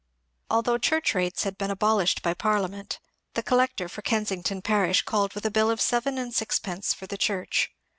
Although church rates had been abolished by Parliament, the collector for Kensington parish called with a bill of seven and sixpence for the church.